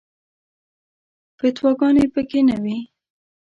فتواګانې په کې نه وي.